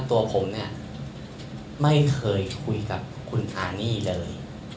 ตัวผมเนี่ยไม่เคยคุยกับคุณอานี่เลย